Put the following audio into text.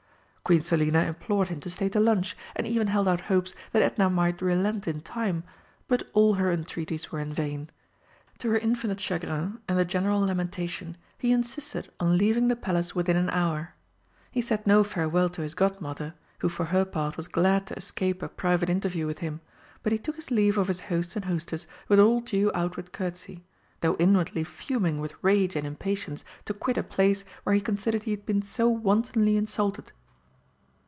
Queen Selina implored him to stay to lunch, and even held out hopes that Edna might relent in time but all her entreaties were in vain. To her infinite chagrin and the general lamentation, he insisted on leaving the Palace within an hour. He said no farewell to his Godmother, who for her part was glad to escape a private interview with him, but he took his leave of his host and hostess with all due outward courtesy, though inwardly fuming with rage and impatience to quit a place where he considered he had been so wantonly insulted.